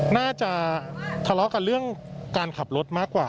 น่าจะทะเลาะกันเรื่องการขับรถมากกว่า